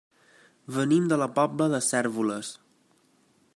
Venim de la Pobla de Cérvoles.